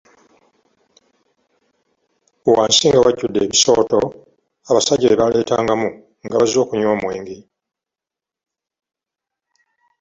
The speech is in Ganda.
Wansi nga wajjudde ebisooto abasajja bye baaleetangamu nga bazze okunywa omwenge.